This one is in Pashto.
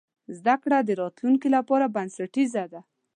زده کړه د راتلونکي لپاره بنسټیزه ده.